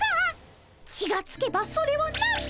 気がつけばそれはなんと。